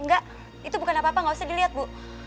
enggak itu bukan apa apa nggak usah dilihat bu